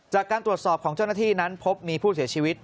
จากการตรวจสอบของเจ้าหน้าที่นั้นพบมีผู้เสียชีวิต